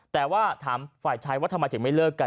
แต่ว่าถามฝ่ายชายว่าทำไมถึงไม่เลิกกัน